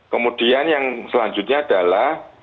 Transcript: kemudian yang selanjutnya adalah